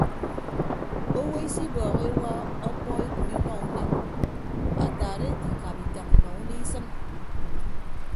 Owo isibọọhọ ewa okpọ eku inọ unen ataat ete ikap itañ inọ unie isịn.